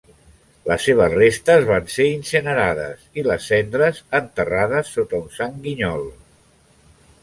Les seves restes van ser incinerades, i les cendres enterrades sota un sanguinyol.